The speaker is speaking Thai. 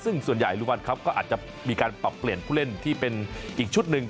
ซึ่งส่วนใหญ่ลุงวันครับก็อาจจะมีการปรับเปลี่ยนผู้เล่นที่เป็นอีกชุดหนึ่ง